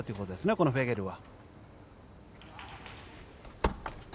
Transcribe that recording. このフェゲルは。